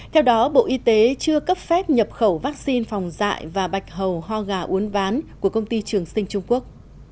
theo đó bộ y tế chưa cấp phép nhập khẩu vaccine phòng dại và bạch hầu ho gà uốn ván của công ty trường sinh trung quốc